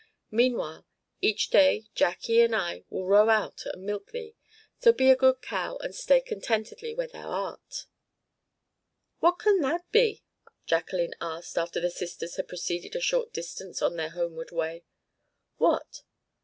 Meanwhile each day Jacque and I will row out and milk thee; so be a good cow and stay contentedly where thou art." "What can that be?" Jacqueline asked after the sisters had proceeded a short distance on their homeward way. "What?"